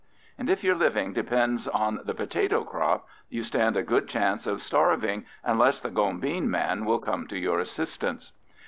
And if your living depends on the potato crop, you stand a good chance of starving, unless the gombeen man will come to your assistance.